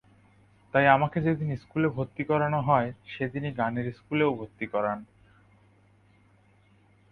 তাই আমাকে যেদিন স্কুলে ভর্তি করানো হয়, সেদিনই গানের স্কুলেও ভর্তি করান।